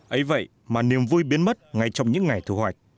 ây vậy mà niềm vui biến mất ngay trong những ngày thù hòa